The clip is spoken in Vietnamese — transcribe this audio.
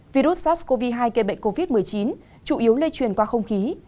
virus sars cov hai gây bệnh covid một mươi chín chủ yếu lây truyền qua không khí